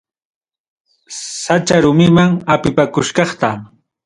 Sacha rumiman apipakuchkaqta.